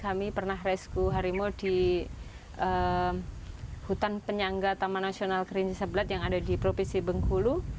kami pernah resku harimau di hutan penyangga taman nasional krinci sebelat yang ada di provinsi bengkulu